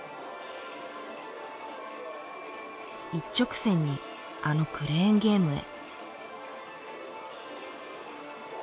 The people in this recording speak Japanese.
一直線にあのクレーンゲームへ。